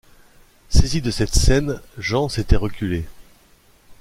Saisi de cette scène, Jean s’était reculé.